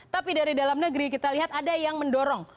tapi dari dalam negeri kita lihat ada yang mendorong